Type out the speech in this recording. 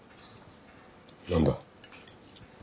何だ。